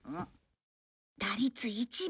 打率１分。